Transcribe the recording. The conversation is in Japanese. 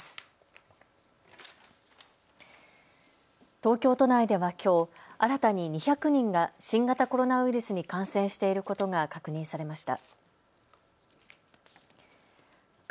東京都内ではきょう新たに２００人が新型コロナウイルスに感染していることが確認されました。